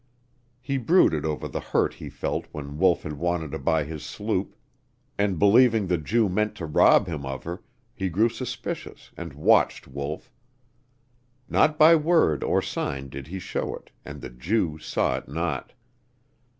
He brooded over the hurt he felt when Wolf had wanted to buy his sloop, and believing the Jew meant to rob him of her, he grew suspicious and watched Wolf. Not by word or sign did he show it, and the Jew saw it not.